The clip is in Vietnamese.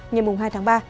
ngày hai tháng ba